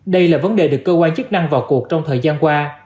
đây là vấn đề được cơ quan chức năng vào cuộc trong thời gian qua